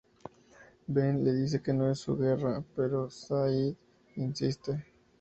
Ben le dice que no es su guerra, pero Sayid insiste.